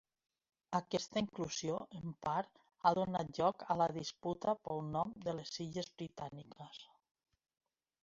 Aquesta inclusió, en part, ha donat lloc a la disputa pel nom de les illes britàniques.